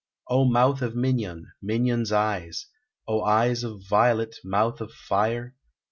O mouth of Mignon, Mignon's eyes! O eyes of violet, mouth of fire!